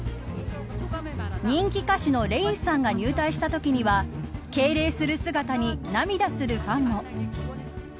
人気歌手のＲａｉｎさんが入隊したときには敬礼する姿に涙するファンも。